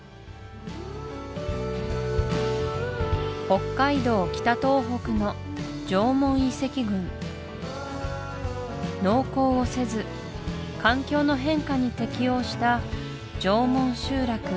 北海道・北東北の縄文遺跡群農耕をせず環境の変化に適応した縄文集落